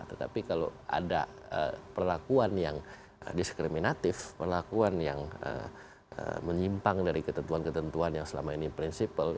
tetapi kalau ada perlakuan yang diskriminatif perlakuan yang menyimpang dari ketentuan ketentuan yang selama ini prinsipal